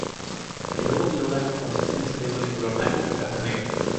El logo de Logan consiste en un cerebro de color blanco con gafas negras.